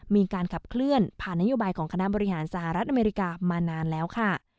มีการขับเคลื่อนผ่านนโยบายของคณะบริหารสหรัฐอเมริกามานานแล้วค่ะ